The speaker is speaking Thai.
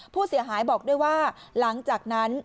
ผู้เสียหายบอกด้วยว่าหลังจากนั้น